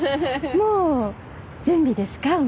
もう準備ですか？